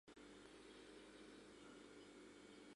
Оролын «окмак» манмыжлан рвезе куаныш веле.